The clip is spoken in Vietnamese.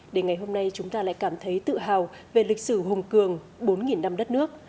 đến ngày hôm nay chúng ta lại cảm thấy tự hào về lịch sử hùng cường bốn năm đất nước